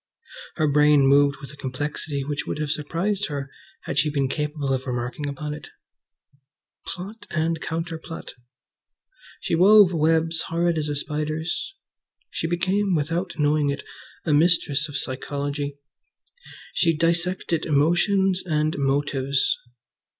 Her brain moved with a complexity which would have surprised her had she been capable of remarking upon it. Plot and counterplot! She wove webs horrid as a spider's. She became, without knowing it, a mistress of psychology. She dissected motions and motives.